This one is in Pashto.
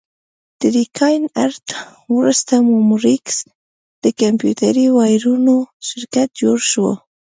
تر کاین ارټ وروسته مموریکس د کمپیوټري وایرونو شرکت جوړ شو.